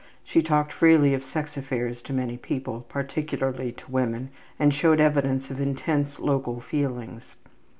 She talked freely of sex affairs to many people, particularly to women, and showed evidence of intense local feelings.